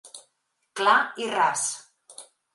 Clar i ras.